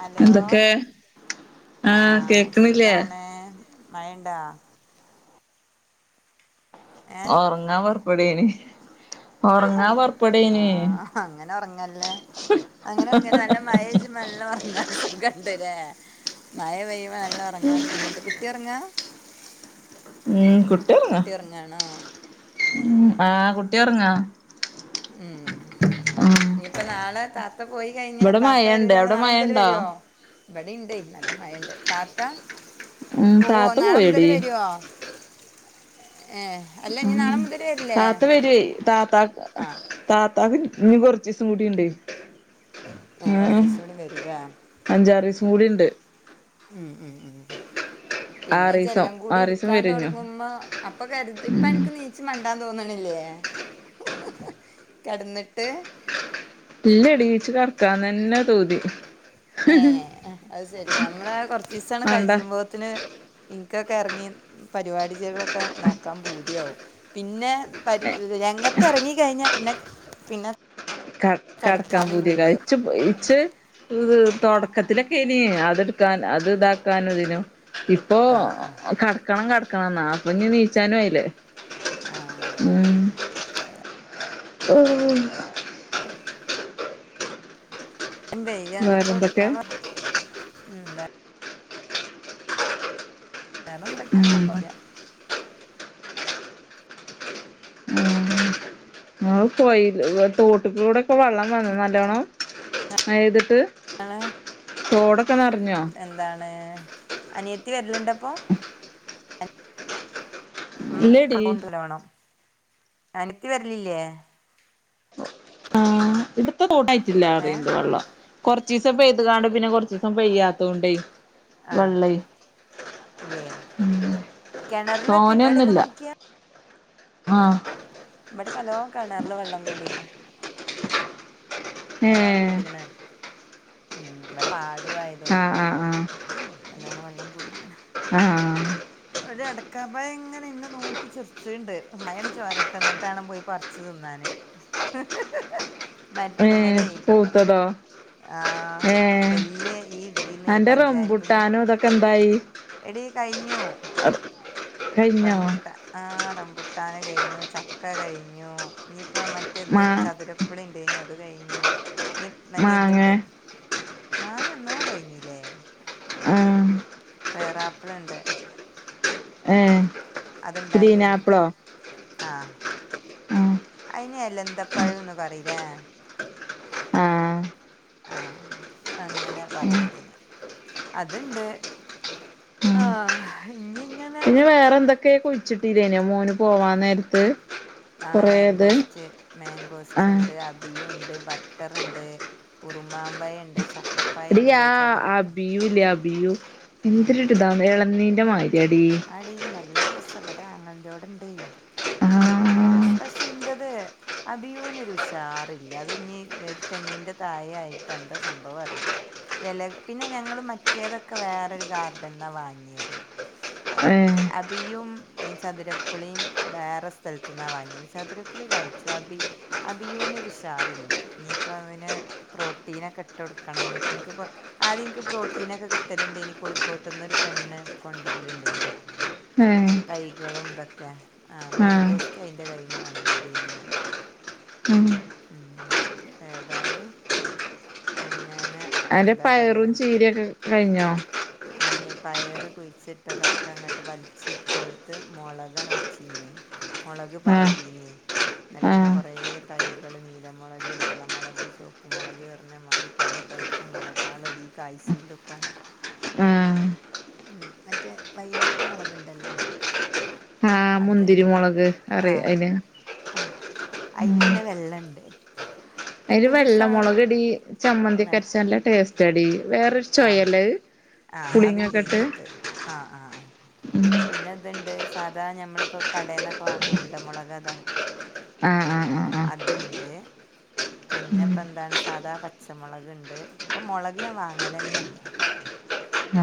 Hello എന്തൊക്കെ ആഹ് സുഖാന്നെ മയണ്ടോ ഏഹ് ഒറങ്ങാ പോറപ്പെടേന് ആഹ് അങ്ങനെ ഒറങ്ങന്നേ അങ്ങനെ ഒറങ്ങന്ന നല്ല മഴ നല്ല ഒറങ്ങാൻ സുഖണ്ടലേ മഴ പെയ്യ ഒറങ്ങാൻ സുഖണ്ടു കുട്ടി ഒറങ്ങാ ഉം ഒറങ്ങാ കുട്ടി ഒറങ്ങാണോ ഉം ഏഹ് ആഹ് കുട്ടി ഉറങ്ങാ ഉം നിപ്പോ നാളെ ത. താത്ത പോയി കഴിഞ്ഞാ ഇവടെ താത്ത മഴണ്ട് വരൂലല്ലോ അവടെ നാളെ മുതൽ മഴണ്ടോ വരോ ഇവിടെ ഉണ്ട് നല്ല മഴണ്ട്. താത്ത ഉം പോവോ താത്ത നാളെ മുതൽ പോയെടി വരോ ഏഹ്. അല്ല ഇനി ഉം നാളെ മുതല് വരില്ലേ താത്ത വരുയ് താത്തക്ക് ആഹ് താത്താക്ക് നികൊറച്ചീസം കൂടിയ്ണ്ട്. ഏ കൊറച്ചിസം കൂടിവരൂലേ. അഞ്ചാറീസം കൂടിണ്ട്. ഉം ഉം ഉം പിന്നെ ആറീസം ജെല്ലാം കൂടി ആറീസം വരും ഇഞ്ഞും ഇടുക്കാതുടങ്ങുമ്പോ. അപ്പൊ കരുതി ഇപ്പ അനക്ക് നീച് മണ്ടാതോന്നണില്ലേ. കെടന്നിട്ട്. ഇല്ലടീ ച്ച് കടക്കാന്നന്നെ പൂതി ഏ അത് സരി നമ്മള കൊറച്ചിസം അങ്ങട്ട് മാണ്ട കജുമ്പോ ത്തിന് ഇനിക്കൊക്കെ എറങ്ങി പരിപാടിജകളൊക്കെ നോക്കാൻ പൂതിയാക്കും. പിന്നെ പ രംഗത്ത് എറങ്ങി കഴിഞ്ഞാ പിന്നെ പിന്നെ. കട കടക്കാം കെടക്കാനും പൂതിയാകാരം പൂതിയാവും ഇച്ച്പ് ഇച്ച് തുടക്കത്തിലൊക്കെ ഏനി അതെടുക്കാൻ അത് ഇതാക്കാനും ഇതിനോ. ഇപ്പൊ ആഹ് ആഹ് കടക്കണം കടക്കണം ന്നാ അപ്പൊ ഞ്ഞി നീച്ചാനും ആയില്ലേ. ആഹ്. ഉം. ഓ. [inaudible] യ് ബയ്യ ഇഞ്ഞിപ്പം വേറെന്തൊക്കെ കുട്ടിയേള ണ്ടേ. ഉം വേറെന്തൊക്കെ ഉം മ്മൾ പൊയില് തോട്ടിക്കൂടെക്കെ വെള്ളം വന്നോ നല്ലോണം മഴ പെയ്തിട്ട്. [unintelligible] ന്താണ് അനിയത്തി വരല്ണ്ടപ്പൊ. ഉം ഇല്ലടി കൊണ്ട് വരണം അനയത്തി വരലില്ലേ. ഇവിടത്തെ തോടായിട്ടില്ല ഏ അറീണ്ട് വെള്ളം. കൊറച്ചിസം പെയ്ത്ങ്ങാണ്ട് പിന്നെ കൊറച്ചിസം പെയ്യാത്തോണ്ടെയ്. ആ വെള്ളയ് ഇല്ലേ കിണറിലൊക്കെ ഇവിടെയൊക്കെ തോനെന്നുല്ല. നോക്കിയാ ആഹ്. ഇബടെക്ക നലോ കണറില് വെള്ളം കൂടീണ. നല്ലോണ്ണം ഏഹ് കൂടിക്കണ ഉ ഇവിടെ പാടായതോണ്ട്. ആഹ് ആഹ് ആഹ് നല്ലോണം വെള്ളം കൂടിക്കണ്. ആഹ്. ഒരു അടക്കാപ്പായം ഇങ്ങനെ എന്നെ നോക്കി ചിറിച്ചണ്ട് മയണ് ചോരട്ട് ന്നിട്ടാണംപോയി പർ. ച്ച് തിന്നാന് ഏഹ് മരത്തുമ്മലേ. പൂത്തതോ ആഹ് ഏഹ് വല്യ ഈ ഇതിനയ് അന്റെ പഞ്ചായത്തിന് റംബുട്ടാനും ഇതൊക്കെ എടി കഴിഞ്ഞു. അത് റംബുട്ടാൻ ആഹ് റമ്പുട്ടാന് കഴിഞ്ഞു ചക്ക കഴിഞ്ഞു. ഇനിയിപ്പോ മറ്റെത് മാ ചതുരപ്പുളി ഇണ്ടേനി അത് കഴിഞ്ഞു. ഞ്ഞി മറ്റേ മാങ്ങേ ഇതുണ്ട് മാങ്ങന്നോ കഴിഞ്ഞില്ലേ. ആഹ്. പേറാപ്പിളണ്ട്. ഏഹ് അതുണ്ടായി വരുണ്ട്. ഗ്രീനാപ്പിളോ ആഹ് ആഹ് അയിനലന്തപ്പഴംന്ന് പറയിലേ. ആഹ് ആഹ് അങ്ങനെ പറയത് അതുണ്ട്. ആഹ് ഞ്ഞിങ്ങനെ. പിന്നെ വേറെ എന്തൊക്കെയോ കുഴിച്ചിട്ടീല്യേനോ മോന് പോവാൻ നേരത്ത്. ആ കൊറേത് മാങ്കോസ്റ്റ് മാങ്കോസ്റ്റ് ആഹ് ണ്ട് അ. പിയുണ്ട് ബട്ടർണ്ട് ഉറുമാമ്പയണ്ട് ച ടി ആ ആ ബിയൂല്ലേ ആ ബിയു ഉം എന്തൊരിത എളനീന്റെ മാരി. എടീ ടീ നല്ല രസ വടെ ആങ്ങളന്റോടെണ്ടെ നല്ല രസ ആഹ് പക്ഷെ ഇന്റത്. അ ബിയൂനൊരു ഉഷാറില്ല അത് ഞ്ഞി ഒരു തെങ്ങിന്റെ തായായിട്ട എന്താ സംഭവം അറീല. എല പിന്നെ ഞങ്ങള് മറ്റേതൊക്കെ വേറൊരു ഗാർഡൻന്നാ വാങ്യേത്. ഏഹ് അബിയും ഏഹ് ചതുരപുളിയും വേറെ സ്ഥലത്‍ന്ന വാങ്ങിയത് ചതുരപുളി കയിച്ചു അബി അഭിയൂന് വിഷാദില്ലാ ഇനി ഇപ്പവന് പ്രോട്ടീനെക്കെ ഇട്ടു കൊടുക്കണം ഇനി [unintelligible] ആദ്യൻക്ക് പ്രോട്ടീനൊക്കെ കിട്ടല്ണ്ടേനി കോഴിക്കോട്ട്ന്നൊരു പെണ്ണ് കൊണ്ടര്ല്ണ്ടേനി. ഏഹ് തൈകളും തൊക്കെ ആ ആഹ് മാങ്കോസ്റ്റ് അയ്ന്റെ കയ്യ്ന്ന് വാങ്യേതേനി ഞാന്. ഉം ഉം ഏതായാലും അങ്ങനെ. അൻ്റെ എന്താ പയറും ചീരിഒക്കെ കഴിഞ്ഞോ? ഞാനേ പയറ് കുയിച്ച്ട്ടതൊക്കെ അങ്ങട്ട് വൽച്ച്ട്ടൊട്ത്ത് മുളകാണ് വെച്ചീന്യേ. മൊളക് ആഹ് പാകിനി ആഹ് കൊറേ തൈകളൊണ്ട് വെള്ള മൊളക് ടൈപ്പ് മുളകാളടി കായ്ച്ച്ണ്ട്പ്പം ആഹ് മം മറ്റേ വൈലറ്റ് മൊളക്ണ്ടല്ലോ? ആഹ് മുന്തിരി അത്ണ്ട് മുളക് അറിയ ആഹ് അയിന് ഹ അയിന്റെന്നെ വെള്ളണ്ട്. അതിന് വെള്ളമുളക് ടീ ചമ്മന്തിക്കര്ച്ച നല്ല ടേസ്റ്റാടി വേറൊര് ആ ആ ഇട്ട് അത്ണ്ട്ന്റട്ത്ത് ആ ആ ആ പിന്നെ. ത്ണ്ട് സാധാ ഞമ്മളിപ്പോ കടേന്നൊക്കെ വാങ്ങണ ഉണ്ടമൊളക് അതാ ആഹ് ആഹ് ആഹ് ആഹ് അത്ണ്ട്. പിന്നെപ്പം എന്താണ് സാധാ പച്ചമൊളക് ണ്ട് ഇപ്പം മൊളക് ഞാൻ വാങ്ങലെന്നെ ല്ല്യ.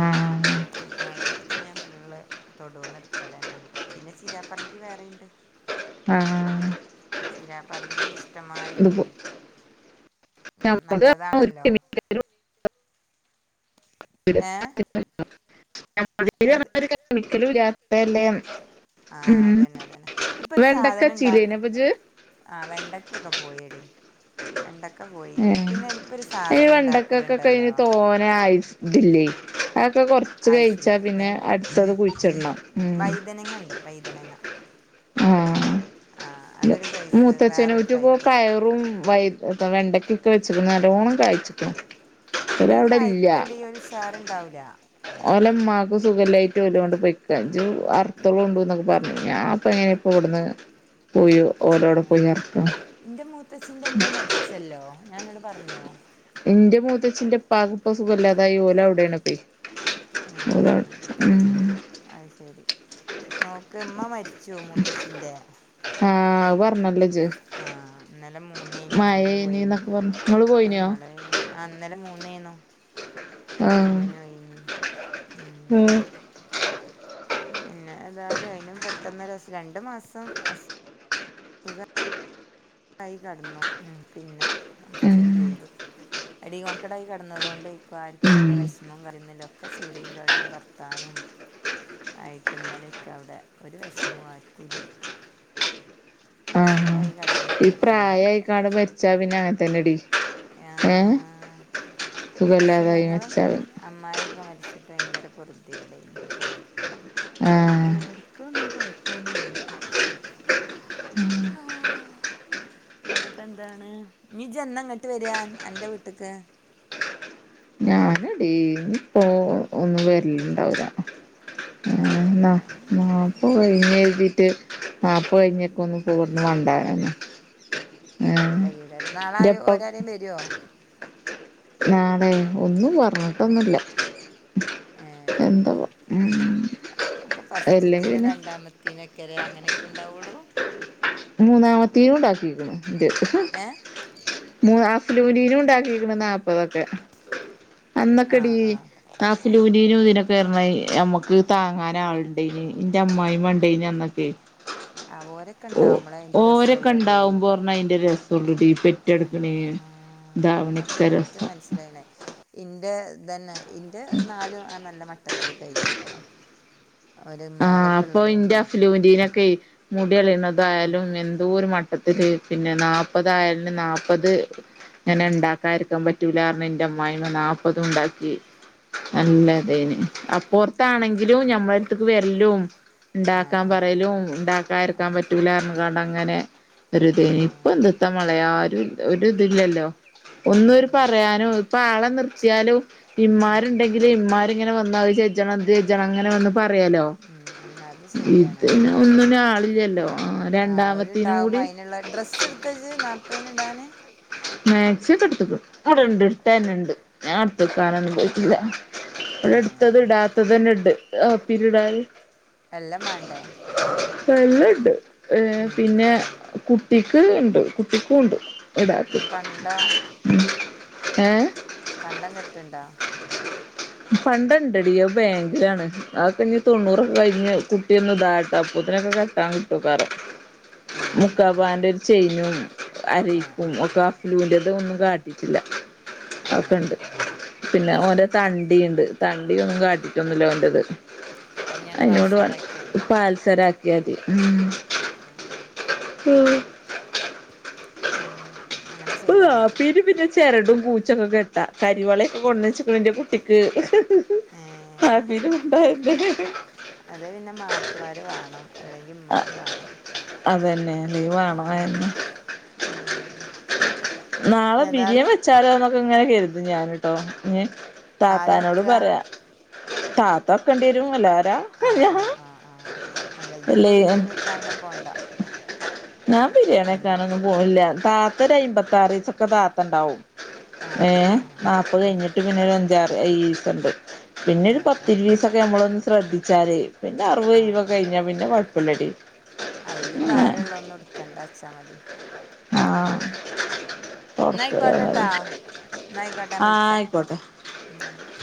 ആഹ് ഉ മൊളക് പ്പം ഞാൻ ഫുള്ള്. തൊടൂന്ന്ട്ക്കലെന്നാ പിന്നെ ചീരാപറങ്കി വേറീണ്ട്. ആഹ് ആഹ് ചീരാ പർങ്കി ഇഷ്ടമ്മാരി ണ്ടേ. ഇതിപ്പോ ഉം ഞമ്മൾത് ഒരു നല്ലതാണല്ലോ കെമിക്കലും ഏഹ്. എന്ത് [unintelligible] ഒരു കെമിക്കലും ഇല്ല്യാത്തല്ലേ ന്ന്. ആഹ്അതന്നെ അതന്നെ ഇപ്പൊ ഒരു സാധനം ഇണ്ടാക്ക്. വെച്ചീല്ലേനോ അപ്പ ഇജ്ജ് ആ വെണ്ടക്കൊക്കെ പോയെടീ. വെണ്ടക്ക പോയി ഏ പിന്നെ ടി ഇപ്പൊ ഒരു സാധനം ഇണ്ടാക്കലുണ്ടല്ലോ? ഓനായിസ്. തില്ലേ അതൊക്കെ കൊർച്ച് ആയിസില്ല കഴിച്ചാ പിന്നെ വേഗം അടുത്തത് കുയിച്ചിടണം ഉം. വൈതനങ്ങ ണ്ട്. വൈദനങ്ങ ആഹ് അതൊരു സൈസ് വേറൊരു മൂത്തച്ഛനോറ്റ് ടൈപ്പ് പോക്കായോ? പ്പും വൈ വെണ്ടക്കൊക്കെ വെച്ച്ക്ക്ണ് നല്ലോണം കായിച്ച്ക്ക്ണ്. ഇനീ മയത്തെടീ ഒരുഷാറ്ണ്ടാവൂല. ഓലമ്മാക്ക് സുഖല്ല്യായിട്ട് ഓലും ആണ്ട് പോയിക്ക ജ്ജ്‌ വർത്തോളൂണ്ടു ന്നൊക്കെ പർ ഞാപ്പങ്ങനെ ഇപ്പോ വിടന്ന് പോയി ഓലോടെ പോയി വർക്ക. ച്ചല്ലോ ഞാനന്നോട് പർഞ്ഞോ? ഇന്റെ മൂത്തച്ചിന്റെ പ്പാക്ക് പ്പം സുഖല്ലാതായി ഓലവ്ടെണ് പ്പെ. ഓരോ ഉം അയിശെരി നോക്ക് ഉമ്മ മരിച്ചു മൂത്തച്ചിന്റെ ആഹ് അത് പറഞ്ഞല്ലേ ഇജ് ആഹ് ഇന്നലെ മൂന്നേന് മൂന്നിന് പോയിന് പറഞ്ഞു ഇങ്ങള് അത് പോയിനോ മളെ ആഹ് ഇന്നലെ മൂന്നേന്നോ ആഹ് മൂന്നിനു പോയിന് ഉം പിന്നെ എതായാലും അതിനും പെട്ടെന്ന് ഒരുസം രണ്ട് മാസം ആ കൈ കടന്നു പിന്നെ ഉം മരിച്ചു ചെയ്തു അടിൺക്കടായി കിടന്നത് കൊണ്ട് ഇരിക്കും ആർക്കും ഉം വല്ല വിഷമം കറുന്നതിലും ഒക്കെ ച്ചിറി കളിയും വർ വത്താനും ആയിട്ട് ഇന്നലൊക്കെ അവിടെ ഒരു വിഷമം ആർക്കുംല്ല്യ ആഹ് അസുഖായി കടന്ന ഈ പ്രായ ആയിക്കാടന്ന് മരിച്ചാ പിന്നെ അങ്ങനെത്തന്നെടി ഏഹ് ആഹ് സുഖല്ലാതായി മരിച്ചാല് അമ്മായി ഒക്കെ മരിച്ചിട്ട് ഭയങ്കര പോര്തെടേന് ആഹ് ഇവർക്ക ഒന്നും കൊഴപ്പൊന്നുല്ല പിന്നെപ്പെന്താണ് നീ ജ് എന്നങ്ങോട്ട് വര അന്റെ വീട്ടക്ക് ഞാനടി പോ വരലിണ്ടാവില്ല എന്നാ ഉണ്ടാവില്ലല്ലേ വാപ്പ പോയീന്ന് കരുതിട്ട് നാല്പ്പ കഴിഞ്ഞക്കെ ഒന്ന് ആ പോകന്ന് വണ്ടന്ന ഏ കയ്യൂലല്ലേ നാളെ ആര് എപ്പം ഒരാരേലും വരുവോ നാളെ ഒന്നും ഇല്ല പറഞ്ഞിട്ടൊന്നുമില്ല ഏഹ് ഉം ഒക്കെ അല്ലെങ്കിൽ പസ്റ്റ്ത്തെന് രണ്ട പിന്നെ രണ്ടാമത്തെനോക്കെലെ അങ്ങനെയൊക്കെ ഉണ്ടാവുള്ളൂ മൂന്നാമത്തേനു ഉണ്ടക്കിക്കുണു ഇൻ്റെ ഏ മൂ ആഫലൂനിനും ഉണ്ടാക്കിക്കണ് നാല്പ്പതൊക്കെ ആ അന്നൊക്കെടി ആ ആ കാസിലൂനിനും ഇതിനൊ റഞ്ഞായി നമ്മക്ക് താങ്ങാൻ ആളുണ്ടേന് ഇൻ്റെ അമ്മായിയമ്മ ഉണ്ടെന് അന്നൊക്കെ ആ ഓരെ ഓരൊക്കെ ഉണ്ടാവുമ്പോ പറഞ്ഞനേ അതിന്റെ രസം ഉള്ളടി പി ആ റ്റെടുക്കണേ ഇദാവണക്ക് രസ താണ് ഇന്റെ തന്നെ ഇന്റെ നാലും എസ് നല്ല മട്ടത്തില് കഴിഞ്ഞുട്ടോ ഒരു ആഹ് ഉമ്മാരൊക്കെ അപ്പൊ ഉള്ളത് ഇന്റെ കൊണ്ടേ അഫ്ലുൻ്റെനൊക്കെയെ ഉം മുടികള്ളയുന്നതായാലും എന്തോ ഒരു മട്ടത്തില്ൽ പിന്നെ നാല്പതായാലും നാല്പ്പത് അങ്ങനെ ഉം ഉണ്ടാക്കാരിക്കാൻ പറ്റൂല എന്റെ അമ്മായി നാപ്പതും ഉണ്ടാക്കി നല്ലതേന് ഉം അപ്പറത്താണെങ്കിലും ഞമ്മ ടുത്ത്ക്ക് വരല്ലും ആ ഉണ്ടാക്കാൻ ആ പറയലും ഉണ്ടാക്കാരിക്കാൻ പറ്റൂലാറഞ്ഞ് കാണ്ട് അങ്ങനെ ആ ഒരുദേ ഇപ്പൊ എന്തത്താ ആ മളയ ആഹ് ഒരു ഇതില്ലല്ലോ ഒന്നര് അതന്നെ പറയാനോ ഇപ്പൊ ആളെ നിർത്തിയാലോ ഇമ്മാരുണ്ടെങ്കി ഇമ്മാ രിങ്ങനെ വന്ന് ഇത് ചെജണ അത് ചെജണ അങ്ങനെ വന്ന് പറയാലോ ഉം ഉം അത് ശരിയാണ് ഇത് ഒന്നിന ആളില്ലല്ലോ ആഹ് രണ്ടാമത്തിനു കൂടി തജ് നാപ്പതിന് ഇടാന് മാക്സിക്കെടുക്കും അവിടെണ്ട് ഇട്ടന്നുണ്ട് ഞാൻ അടുത്തക്കാനൊന്നും പോയിട്ടില്ല ഏ എവിടെ എടുത്തത് ഇടാത്തത് തന്നെ ഇണ്ട് ആപ്പീ ഇടാല് എല്ലാം വേണ്ടേ എല്ലാണ്ട് ഏഹ് ഉം പിന്നെ കുട്ടിക്ക് ഇണ്ട് കുട്ടിക്കും ഉണ്ട് ഉടാക് ഇനി പണ്ടോ ഉം ഏഹ് പണ്ടം കെട്ടണ്ടാ ഫണ്ട് ഉണ്ടടിയോ ബാങ്കിലാണ് അതൊകേ തൊണ്ണൂറൊക്കെ കഴിഞ്ഞ് കുട്ടിയ ഒന്ന് ഇതാട്ട അപ്പത്തിനൊക്കെ ക കിട്ട് ക്കാറോ ഏ മുക്കാപവന്റെ ഒരു ചെയിനും ആ ആ അരിപ്പും ഒക്കെ ലൂന്റെതും ഒന്നും കാട്ടിട്ടില്ല ഏ ഒക്കെണ്ട് പിന്നെ അത് ഓന്റെ ശരി തണ്ട് തണ്ടിണ്ട് തണ്ടിയൊന്നും കാട്ടിട്ടൊന്നുല്ല ഓൻ്റെത് അത് ഞാൻ അയിനോട് പഴസാരാക്കിയാൽ പാ ത്തരാക്കിയാതി ആഹ് ആഹ് ആഹ് ഉം ഉം അങ്ങനെ ചെയ്താ മതി നാപ്പേന് പിന്നെ ചെരടും ക്കൂച്ചൊക്കെ കെട്ടാ കരിവാളയൊക്കെ കൊണ്ടച്ച്ക്ണ് ഇന്റെ കുട്ടിക്ക് ഏ നാപ്പിൻ്റെ മുമ്പ് ആയിക്ക്ണ് അതെ പിന്നെ മാപ്പിളേര് വേണം അല്ലെങ്കി ഉമ്മാര് വേണം അതന്നെ ലീവ് വേണം അതന്നെ ആഹ് നാളെ ബിരിയാ വെച്ചാലോ എന്നൊക്കെങ്ങനെ കെരുതും ഞന്ട്ടോ ഇഞ് ആരാ താത്താനോട് വെക്കുക പറയാ താത്ത എഴുക്കേണ്ടി വരും അല്ലാ ആഹാ ആഹാ ആഹാ ആഹ് അല്ലജ്ജിപ്പൊ അല്ലേ ബിരിയാണി വെക്കാനൊന്നും പോണ്ട ഞാൻ ബിരിയാണി അയിനോട് വെക്കാണൊന്നും പോണില്ല താത്തൊരു അമ്പത്താറീസ ക്കെ താത്ത ഉണ്ടാവും ആഹ് ആഹ് ഏഹ് ആഹ് നാപ്പത് ഉം കഴിഞ്ഞ്ട്ട് പിന്നൊരു അഞ്ചാറ് ഏഴിസണ്ട് പിന്നൊരു ഉം ഉം പത്തിരുവീസൊക്കെ നമ്മളൊന്ന് ശ്രദ്ധിച്ചാല് പിന്നെ അറുപതും ആഹ് എഴുവും കഴിഞ്ഞാ പിന്നെ കൊഴപ്പില്ലടി ആ വല്ല്യ ഭാരള്ളൊന്നും ഇട്ക്കണ്ടച്ചാ മതി ആഹ് ന്നാ ഓക്കെ ആഹ് ആയിക്കോട്ടെട്ടാ ന്നാ ആയിക്കോട്ടെ ഞാൻ വിളിച്ചാ ആയിക്കോട്ടെ ന്നാ ശരി